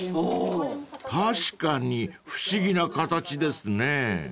［確かに不思議な形ですね］